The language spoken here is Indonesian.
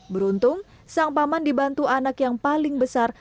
beruntung sang paman dibantu anak yang paling besar